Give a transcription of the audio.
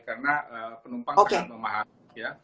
karena penumpang sangat memahami